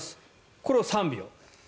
これを３秒。